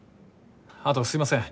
あとすいません